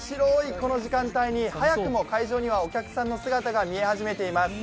この時間帯に早くも会場にはお客さんの姿が見え始めています。